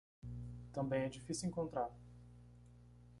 Também é difícil encontrar